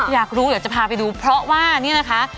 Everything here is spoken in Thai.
อยากรู้เดี๋ยวจะพาไปดูเพราะว่านี่นะคะ